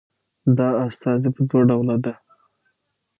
دا استازي په دوه ډوله ده